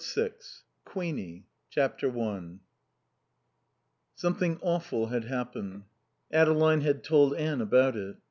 VI QUEENIE i Something awful had happened. Adeline had told Anne about it.